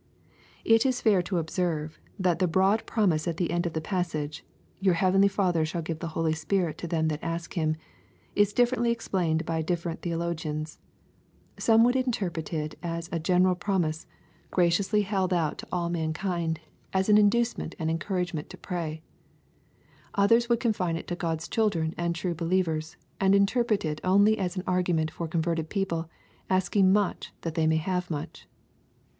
It is fair to observe, that the broad promise at the end of the passage, " Your heavenly Father shall give the Holy Spirit to them that ask him," is differently explained by diflfereit theolo giaiuL — Some would interpret it as a genera] promise, graciously 16 EXPOSITORY THOUGHTa held out to all mankind, as an inducement and encouragement tc praj .— Others would confine it to God*s children and true believ ers, and interpret it only as an argument for converted people asking much that they may have much.